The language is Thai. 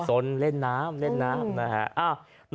สนเล่นน้ำเล่นน้ำนะฮะ